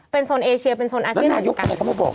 เป็นโซนเอเชียเป็นโซนอาเซียเหมือนกัน